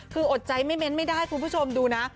คืออดใจไม่เน้นไม่ได้คุณผู้ชมดูนะ